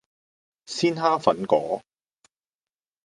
鮮蝦粉果